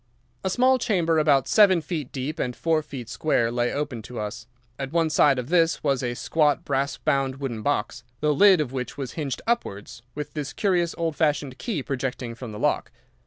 "A small chamber about seven feet deep and four feet square lay open to us. At one side of this was a squat, brass bound wooden box, the lid of which was hinged upwards, with this curious old fashioned key projecting from the lock.